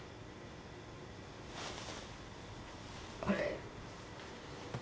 あれ？